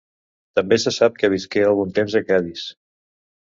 També se sap que visqué algun temps a Cadis.